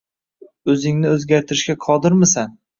O‘zingni o‘zgartirishga qodirmisan?!